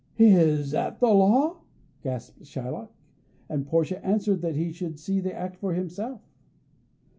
"Is that the law?" gasped Shylock; and Portia answered that he should see the act for himself.